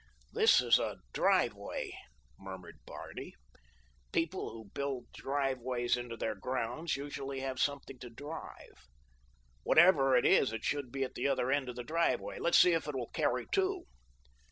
"This is a driveway," murmured Barney. "People who build driveways into their grounds usually have something to drive. Whatever it is it should be at the other end of the driveway. Let's see if it will carry two."